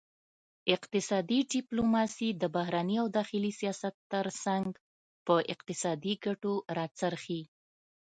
اقتصادي ډیپلوماسي د بهرني او داخلي سیاست ترڅنګ په اقتصادي ګټو راڅرخي